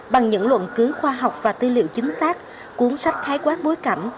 bằng những luận cứu khoa học và tư liệu chính xác cuốn sách khái quát bối cảnh